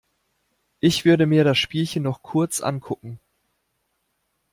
Ich würde mir das Spielchen noch kurz ankucken.